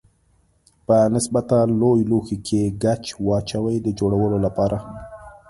په نسبتا لوی لوښي کې ګچ واچوئ د جوړولو لپاره.